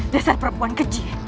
dasar perempuan keji